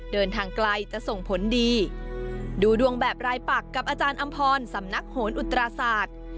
เดินทางไกลจะส่งผลดีดูดวงแบบรายปักกับอาจารย์อำพรสำนักโหนอุตราศาสตร์